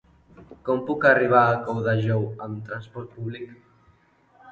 Com puc arribar a Colldejou amb trasport públic?